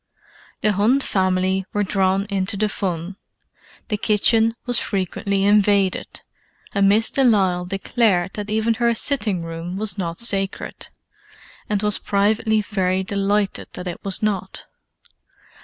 The Hunt family were drawn into the fun: the kitchen was frequently invaded, and Miss de Lisle declared that even her sitting room was not sacred—and was privately very delighted that it was not.